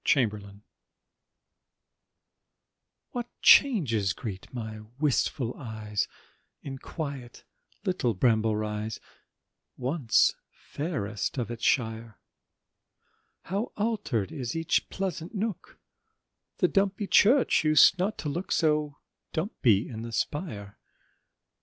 BRAMBLE RISE What changes greet my wistful eyes In quiet little Bramble Rise, Once fairest of its shire; How alter'd is each pleasant nook, The dumpy church used not to look So dumpy in the spire.